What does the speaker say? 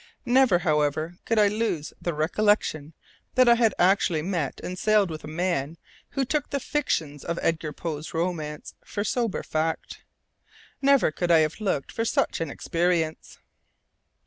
Never, however, could I lose the recollection that I had actually met and sailed with a man who took the fictions of Edgar Poe's romance for sober fact. Never could I have looked for such an experience!